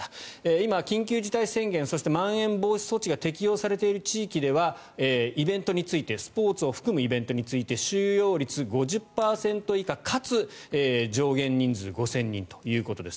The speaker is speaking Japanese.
今、緊急事態宣言そしてまん延防止措置が適用されている地域ではスポーツを含むイベントについて収容率５０％以下かつ上限人数５０００人ということです。